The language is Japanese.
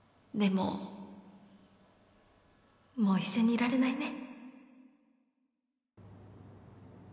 もう一緒にいられないね